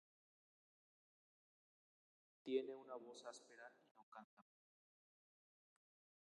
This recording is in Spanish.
Tiene una voz áspera y no canta muy bien.